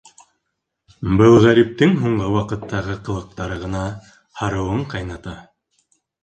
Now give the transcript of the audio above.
Был ғәриптең һуңғы ваҡыттағы ҡылыҡтары ғына һарыуын ҡайната.